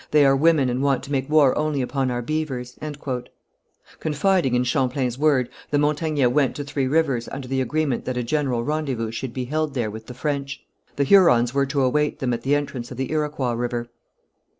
They are women and want to make war only upon our beavers." Confiding in Champlain's word, the Montagnais went to Three Rivers under the agreement that a general rendezvous should be held there with the French. The Hurons were to await them at the entrance of the Iroquois River.